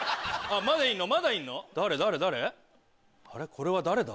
これは誰だ？